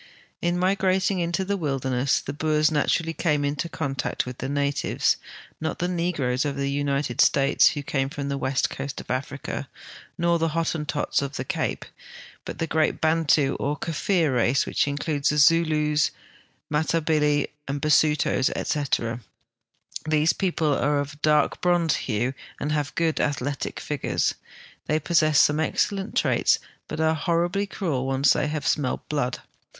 In migrating into tlie wilderness, the Boers natuially came into contact with the natives, not the negroes of the United States, who came from the West Coast of Africa, nor the Hotten tots of the Cape, hut the great Bantu or Kaffir race, which includes the Zulus, Matal)ili, Basutos, etc. These people are of a dark bronze hue, and have good athletic figures. They possess some excellent traits, but are horribly cruel when once they have smelled blood.